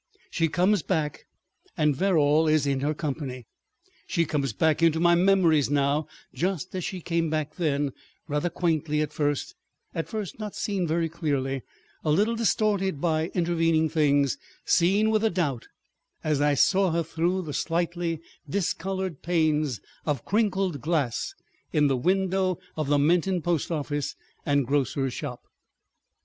She comes back, and Verrall is in her company. She comes back into my memories now, just as she came back then, rather quaintly at first—at first not seen very clearly, a little distorted by intervening things, seen with a doubt, as I saw her through the slightly discolored panes of crinkled glass in the window of the Menton post office and grocer's shop.